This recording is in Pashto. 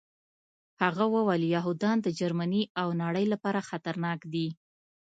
هغه وویل یهودان د جرمني او نړۍ لپاره خطرناک دي